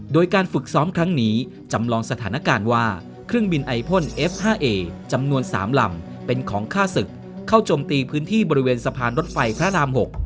โดยการฝึกซ้อมครั้งนี้จำลองสถานการณ์ว่าเครื่องบินไอพ่นเอฟ๕เอจำนวน๓ลำเป็นของฆ่าศึกเข้าจมตีพื้นที่บริเวณสะพานรถไฟพระราม๖